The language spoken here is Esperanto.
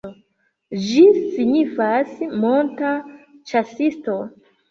Ĝi signifas "monta ĉasisto".